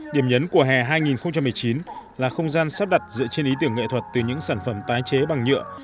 điểm nhấn của hè hai nghìn một mươi chín là không gian sắp đặt dựa trên ý tưởng nghệ thuật từ những sản phẩm tái chế bằng nhựa